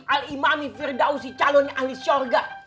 alimami firdausi calonnya ahli syurga